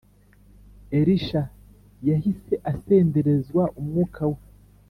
Elisha yahise asenderezwa umwuka we.